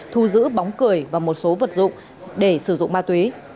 thu giữ bóng cười và một số vật dụng để sử dụng ma túy